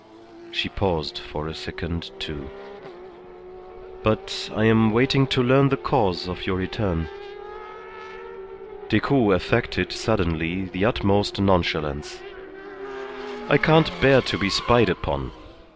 She paused for a second, too. "But I am waiting to learn the cause of your return." Decoud affected suddenly the utmost nonchalance. "I can't bear to be spied upon.